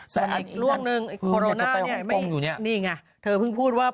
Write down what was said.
สำหรับอีกรูปหนึ่งบูรณาอยู่เนี้ยนี่ไงเธอเพิ่งพูดว่า